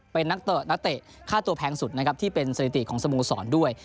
เป็นนักเตะนักเตะค่าตัวแพงสุดนะครับที่เป็นสถิติของสโมสรด้วย